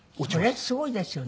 それすごいですよね。